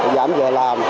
giảm về làm